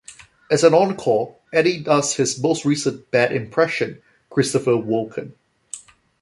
As an encore, Eddie does his most recent "bad impression", Christopher Walken.